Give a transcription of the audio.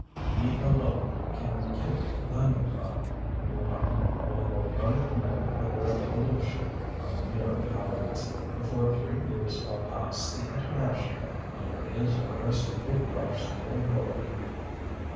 "He alone can give the thunderclap," he went on, "while your learned men, with their evolution, are mere cowards. Before three years are past, the International, under his orders, will crush the old world."